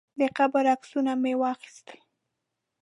د قبر عکسونه مې واخیستل.